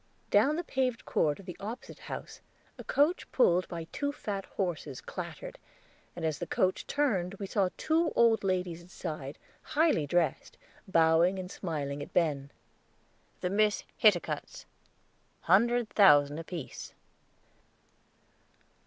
Down the paved court of the opposite house a coach pulled by two fat horses clattered, and as the coach turned we saw two old ladies inside, highly dressed, bowing and smiling at Ben. "The Miss Hiticutts hundred thousand apiece."